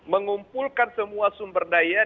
mengumpulkan semua sumber daya